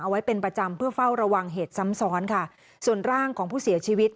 ไว้เป็นประจำเพื่อเฝ้าระวังเหตุซ้ำซ้อนค่ะส่วนร่างของผู้เสียชีวิต